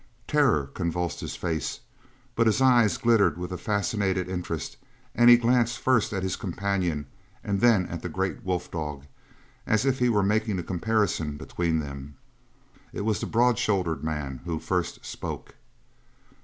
Terror convulsed his face; but his eyes glittered with a fascinated interest and he glanced first at his companion and then at the great wolf dog, as if he were making a comparison between them. It was the broad shouldered man who first spoke.